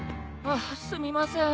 あっすみません。